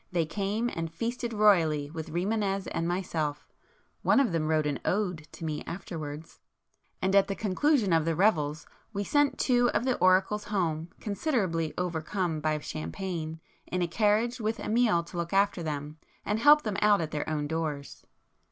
They came, and feasted royally with Rimânez and myself;—(one of them wrote an 'Ode' to me afterwards),—and at the conclusion of the revels, we sent two of the 'oracles' home, considerably overcome by champagne, in a carriage with Amiel to look after them, and help them out at their own doors.